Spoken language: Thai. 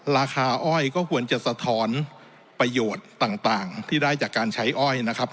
อ้อยก็ควรจะสะท้อนประโยชน์ต่างที่ได้จากการใช้อ้อยนะครับ